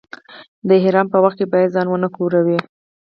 د احرام په وخت کې باید ځان و نه ګروئ.